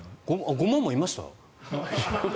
５万もいました？